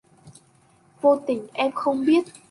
Vô tình em không biết